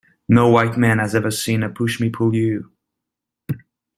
No White Man has ever seen a pushmi-pullyu.